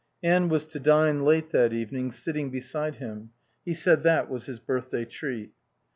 Anne was to dine late that evening, sitting beside him. He said that was his birthday treat.